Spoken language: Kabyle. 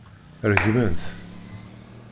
Regmen-t.